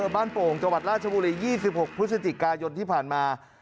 โป่งจังหวัดราชบุรี๒๖พฤศจิกายนที่ผ่านมา